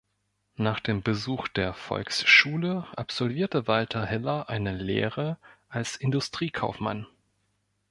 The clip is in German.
Nach dem Besuch der Volksschule absolvierte Walter Hiller eine Lehre als Industriekaufmann.